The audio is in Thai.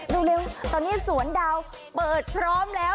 เร็วตอนนี้สวนดาวเปิดพร้อมแล้ว